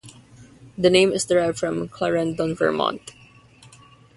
The name is derived from Clarendon, Vermont.